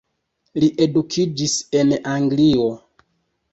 Li edukiĝis en Anglio.